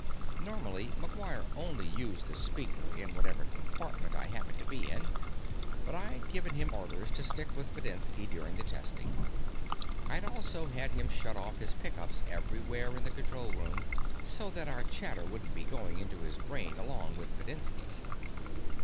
Normally, McGuire only used the speaker in whatever compartment I happened to be in, but I'd given him orders to stick with Videnski during the testing. I'd also had him shut off his pick ups every where in the control room, so that our chatter wouldn't be going into his brain along with Videnski's.